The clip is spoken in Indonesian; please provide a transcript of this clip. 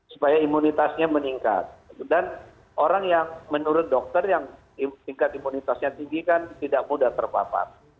supaya imunitasnya meningkat dan orang yang menurut dokter yang tingkat imunitasnya tinggi kan tidak mudah terpapar